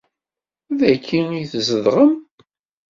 Dagi i tzedɣem?